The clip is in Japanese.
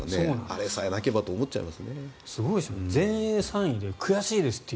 あれさえなければと思っちゃいますね。